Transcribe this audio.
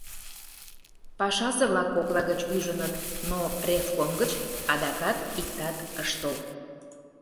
Пашазе-влак кокла гыч ӱжыныт, но ревком гыч адакат иктат ыш тол.